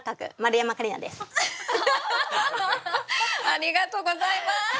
ありがとうございます。